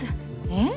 えっ？